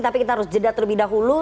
tapi kita harus jeda terlebih dahulu